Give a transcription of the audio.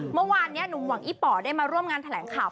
เมื่อวานนี้หนุ่มหวังอีป่อได้มาร่วมงานแถลงข่าว